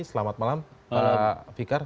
selamat malam pak fikar